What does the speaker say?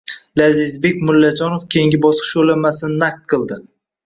Lazizbek Mullajonov keyingi bosqich yo‘llanmasini naqd qilding